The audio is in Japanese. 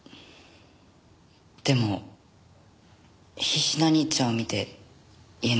でも必死な兄ちゃんを見て言えなかった。